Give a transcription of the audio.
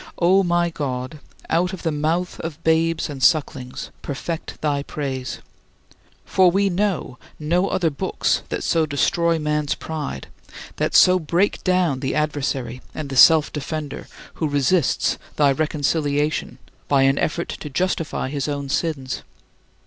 O my God, out of the mouth of babes and sucklings, perfect thy praise. For we know no other books that so destroy man's pride, that so break down the adversary and the self defender who resists thy reconciliation by an effort to justify his own sins.